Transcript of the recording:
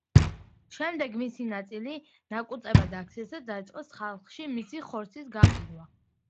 შემდეგ მისი ნაწილი ნაკუწებად აქციეს და დაიწყეს ხალხში მისი ხორცის გაყიდვა.